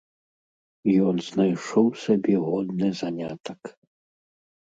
Ён знайшоў сабе годны занятак.